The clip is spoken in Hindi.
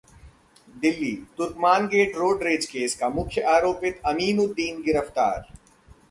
Delhi: Turkman gate road rage case का मुख्य आरोपी अमीनुद्दीन गिरफ्तार